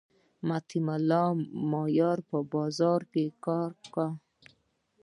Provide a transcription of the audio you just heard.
مطیع الله مایار بازار کی کار کا